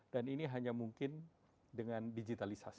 dan ini hanya mungkin dengan digitalisasi